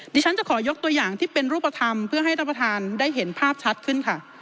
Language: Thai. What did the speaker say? ดิฉันจะขอยกตัวอย่างที่เป็นรูปธรรมเพื่อให้ท่านประธานได้เห็นภาพชัดขึ้นค่ะ